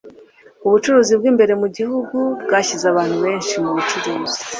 Ubucuruzi bw'imbere mu gihugu bwashyize abantu benshi mu bucuruzi.